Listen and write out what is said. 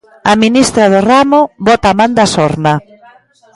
A ministra do ramo bota man da sorna.